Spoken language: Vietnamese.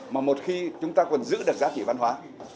mà một khi chúng ta còn giữ được giá trị văn hóa